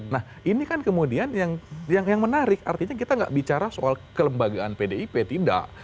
nah ini kan kemudian yang menarik artinya kita nggak bicara soal kelembagaan pdip tidak